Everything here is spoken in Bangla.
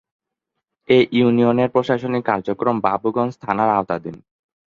এ ইউনিয়নের প্রশাসনিক কার্যক্রম বাবুগঞ্জ থানার আওতাধীন।